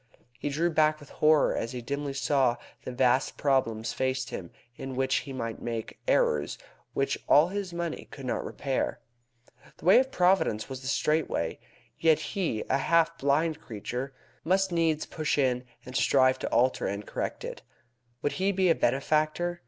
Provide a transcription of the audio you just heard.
He drew back with horror as he dimly saw that vast problems faced him in which he might make errors which all his money could not repair. The way of Providence was the straight way. Yet he, a half blind creature, must needs push in and strive to alter and correct it. Would he be a benefactor?